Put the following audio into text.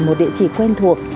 một địa chỉ quen thuộc